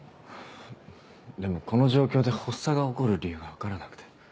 でもこの状況で発作が起こる理由が分からなくて。